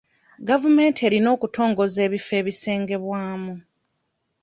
Gavumenti erina okutongoza ebifo ebisengebwamu.